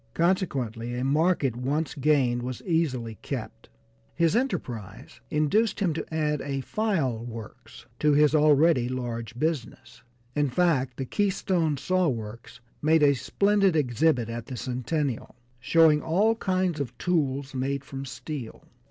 Consequently a market once gained was easily kept. His enterprise induced him to add a file works to his already large business; in fact, the Keystone Saw Works made a splendid exhibit at the Centennial, showing all kinds of tools made from steel.